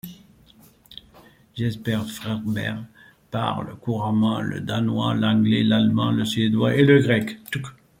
Jesper Fredberg parle couramment le danois, l'anglais, l'allemand, le suédois et le grec.